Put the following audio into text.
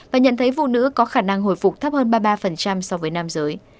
và nhận thấy phụ nữ có khả năng hồi phục thấp hơn ba mươi ba so với nam giới